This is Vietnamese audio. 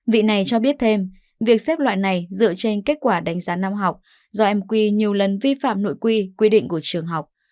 vị này cho biết thêm việc xếp loại này dựa trên kết quả đánh giá năm học do m quy nhiều lần vi phạm nội quy quy định của trường học